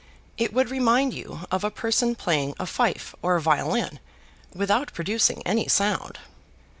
It would remind you of a person playing a fife or violin without producing any sound.